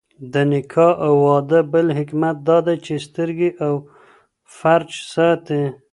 د نکاح او واده بل حکمت دادی، چي سترګي او فرج ساتي